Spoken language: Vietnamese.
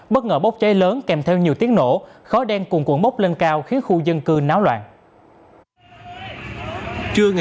bất ngờ bốc cháy lớn kèm theo nhiều tiếng nổ khói đen cuồng cuộn bốc lên cao khiến khu dân cư náo loạn